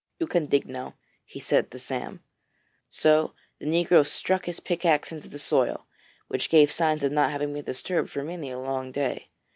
'You can dig now,' he said to Sam. So the negro struck his pickaxe into the soil, which gave signs of not having been disturbed for many a long day.